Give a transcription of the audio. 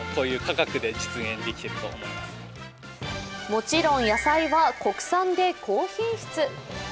もちろん野菜は国産で高品質。